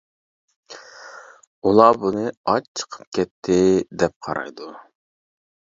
ئۇلار بۇنى ئاچ چىقىپ كەتتى دەپ قارايدۇ.